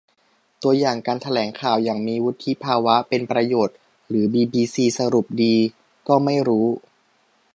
ตัวอย่างการแถลงข่าวอย่างมีวุฒิภาวะ เป็นประโยชน์ หรือบีบีซีสรุปดีก็ไม่รู้